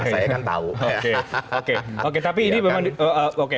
saya kan tahu oke oke oke